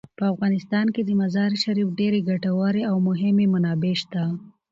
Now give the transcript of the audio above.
په افغانستان کې د مزارشریف ډیرې ګټورې او مهمې منابع شته.